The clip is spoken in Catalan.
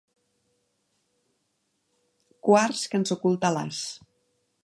Quars que ens oculta l'as.